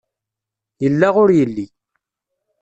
Yella ur yelli.